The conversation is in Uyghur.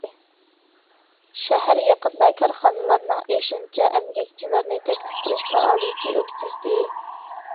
شەھەر يېقىندا كارخانىلارنىڭ ئېشىنچا ئەمگەكچىلەرنى تەكلىپ قىلىش پائالىيىتى ئۆتكۈزدى.